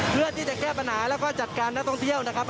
เพื่อที่จะแก้ปัญหาแล้วก็จัดการนักท่องเที่ยวนะครับ